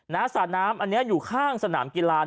สระน้ำอันนี้อยู่ข้างสนามกีฬา